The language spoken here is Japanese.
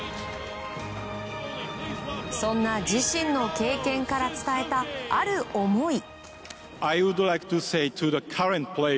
そんな自身の経験から伝えたある思い。